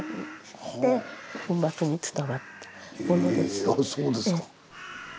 へえそうですか。